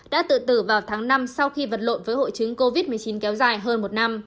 đã tự tử vào tháng năm sau khi vật lộn với hội chứng covid một mươi chín kéo dài hơn một năm